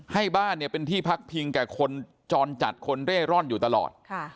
บ้านเนี่ยเป็นที่พักพิงแก่คนจรจัดคนเร่ร่อนอยู่ตลอด